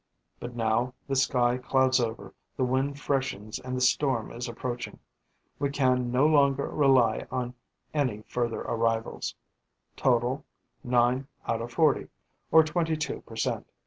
But now the sky clouds over, the wind freshens and the storm is approaching. We can no longer rely on any further arrivals. Total: nine out of forty, or twenty two per cent.